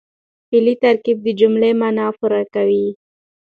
فعلي ترکیب د جملې مانا پوره کوي.